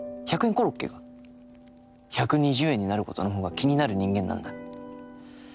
コロッケが１２０円になることの方が気になる人間なんだ。